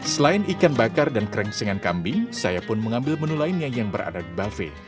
selain ikan bakar dan krengsengan kambing saya pun mengambil menu lainnya yang berada di buffet